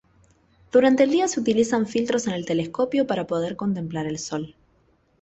Durante el día se utilizan filtros en el telescopio para poder contemplar el sol.